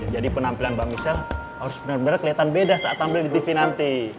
jadi penampilan mbak michelle harus benar benar kelihatan beda saat tampil di tv nanti